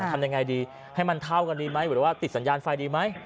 ทำยังไงดีให้มันเท่ากันดีไหมหรือว่าติดสัญญาณไฟดีไหม